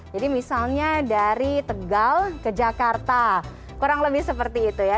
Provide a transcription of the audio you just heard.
jadi misalnya dari tegal ke jakarta kurang lebih seperti itu ya